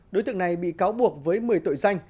đối tượng này bị cáo buộc với một mươi tội danh